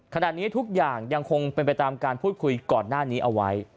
ขณะนี้ทุกอย่างยังคงเป็นไปตามการพูดคุยก่อนหน้านี้เอาไว้